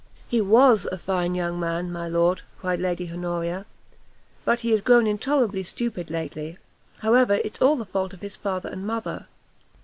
"He was a fine young man, my lord," cried Lady Honoria, "but he is grown intolerably stupid lately; however, it's all the fault of his father and mother.